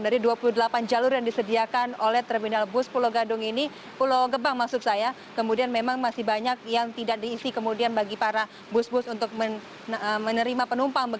dari dua puluh delapan jalur yang disediakan oleh terminal bus pulau gadung ini pulau gebang maksud saya kemudian memang masih banyak yang tidak diisi kemudian bagi para bus bus untuk menerima penumpang